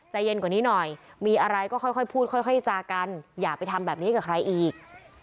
ใจเย็นกว่านี้หน่อยมีอะไรก็ค่อยพูดค่อยจากันอย่าไปทำแบบนี้กับใครอีก